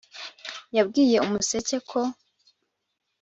yabwiye umuseke ko